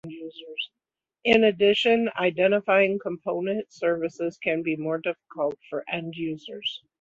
In addition, identifying component services can be more difficult for end users.